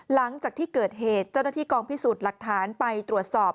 หลังจากที่เกิดเหตุเจ้าหน้าที่กองพิสูจน์หลักฐานไปตรวจสอบ